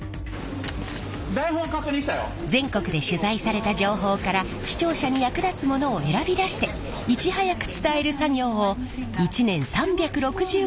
全国で取材された情報から視聴者に役立つものを選び出していち早く伝える作業を一年３６５日行っています。